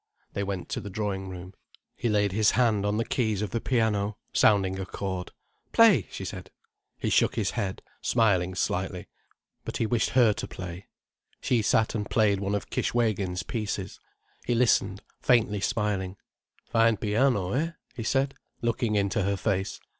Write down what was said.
They went to the drawing room. He laid his hand on the keys of the piano, sounding a chord. "Play," she said. He shook his head, smiling slightly. But he wished her to play. She sat and played one of Kishwégin's pieces. He listened, faintly smiling. "Fine piano—eh?" he said, looking into her face.